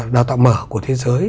đào tạo mở của thế giới